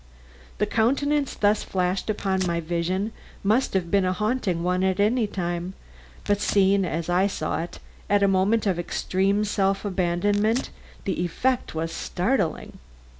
The countenance thus flashed upon my vision must have been a haunting one at any time, but seen as I saw it, at a moment of extreme self abandonment, the effect was startling.